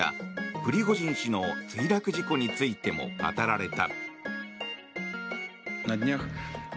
プリゴジン氏の墜落事故についても語られた。